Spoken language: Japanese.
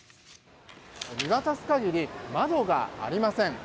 見渡す限り窓がありません。